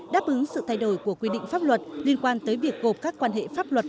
đáp ứng sự thay đổi của quy định pháp luật liên quan tới việc gộp các quan hệ pháp luật